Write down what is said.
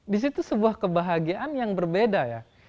di situ sebuah kebahagiaan yang berbeda ya